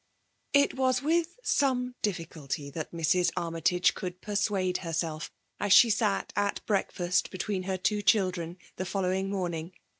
It was with some diiBlictxlty that Mrs. Armytage could persuade herself as she sat at breakfast hetween her two children^ the foUowing mom* iag